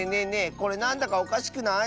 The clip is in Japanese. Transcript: これなんだかおかしくない？